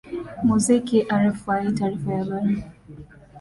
muziki rfi taarifa ya habari